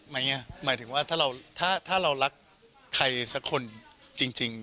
หมายถึงว่าถ้าเราถ้าเรารักใครสักคนจริง